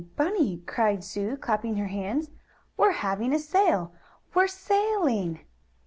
Bunny!" cried Sue, clapping her hands. "We're having a sail! We're sailing!"